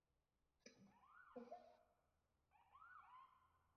囊明蚕为眼蚕科明蚕属的动物。